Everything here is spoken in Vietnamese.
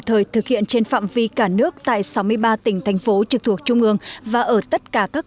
thời thực hiện trên phạm vi cả nước tại sáu mươi ba tỉnh thành phố trực thuộc trung ương và ở tất cả các